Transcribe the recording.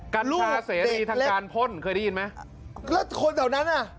ลูกกับเสรีทางการพ่นเคยได้ยินไหมแล้วคนแถวนั้นอ่ะ